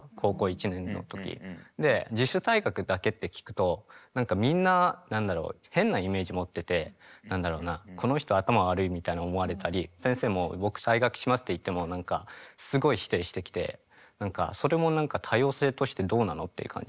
で自主退学だけって聞くと何かみんな何だろう変なイメージ持ってて何だろうな「この人頭悪い」みたいな思われたり先生も「僕退学します」って言っても何かすごい否定してきて何かそれも多様性としてどうなのっていう感じで。